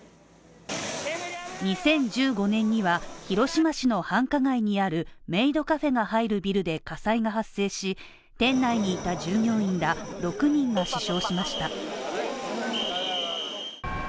２０１５年には広島市の繁華街にあるメイドカフェが入るビルで火災が発生し、店内にいた従業員ら６人が死傷しました。